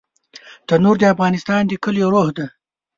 تنور د افغانستان د کليو روح دی